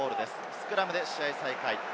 スクラムで試合再開。